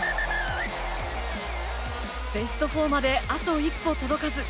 ベスト４まで、あと一歩届かず。